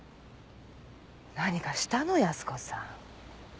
何かしたの泰子さん？